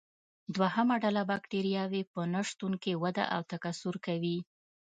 دوهمه ډله بکټریاوې په نشتون کې وده او تکثر کوي.